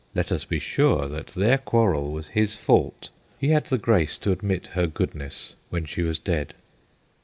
Let us be sure that their quarrel was his fault ; he had the grace to admit her goodness when she was dead.